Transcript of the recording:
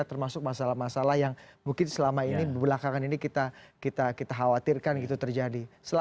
termasuk masalah masalah yang mungkin selama ini belakangan ini kita khawatirkan gitu terjadi